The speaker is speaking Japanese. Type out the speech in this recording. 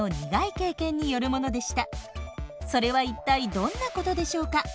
それは一体どんなことでしょうか？